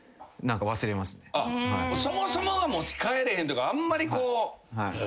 そもそもが持ち帰れへんというかあんまりこう。